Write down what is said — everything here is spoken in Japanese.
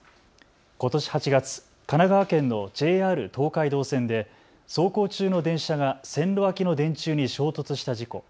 ことし８月、神奈川県のＪＲ東海道線で走行中の電車が線路脇の電柱に衝突した事故。